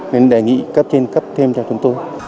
nên đề nghị cấp trên cấp thêm cho chúng tôi